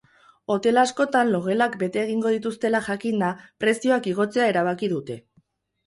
Hotel askotan logelak bete egingo dituztela jakinda, prezioak igotzea erabaki dute.